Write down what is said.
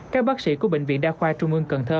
các bác sĩ của bệnh viện đa khoa trung ương cần thơ